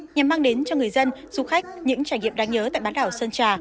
nhằm mang đến cho người dân du khách những trải nghiệm đáng nhớ tại bán đảo sơn trà